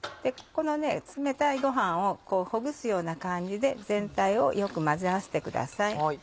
この冷たいごはんをほぐすような感じで全体をよく混ぜ合わせてください。